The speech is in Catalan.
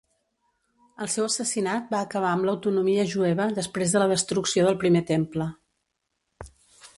El seu assassinat va acabar amb l'autonomia jueva després de la destrucció del Primer Temple.